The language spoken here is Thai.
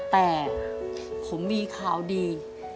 แต่ผมมีข่าวดี